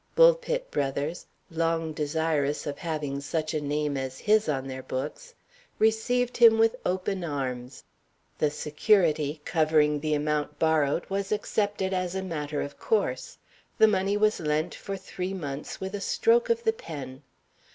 Bulpit Brothers, long desirous of having such a name as his on their books, received him with open arms. The security (covering the amount borrowed) was accepted as a matter of course. The money was lent, for three months, with a stroke of the pen.